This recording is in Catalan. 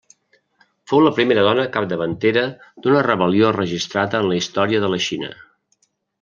Fou la primera dona capdavantera d'una rebel·lió registrada en la història de la Xina.